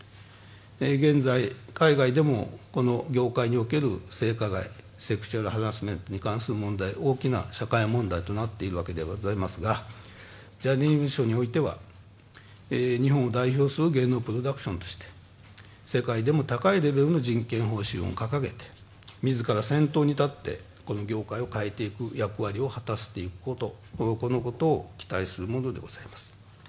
現在、海外でもこの業界における性加害セクシュアルハラスメントに関する問題大きな社会問題となっているわけでございますがジャニーズ事務所においては、日本を代表する芸能プロダクションとして世界でも高いレベルでの人権方針を掲げて自ら先頭に立って、この業界を変えていく役割を果たすことこのことを期待するものでございます。